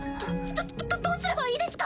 どどどどうすればいいですか？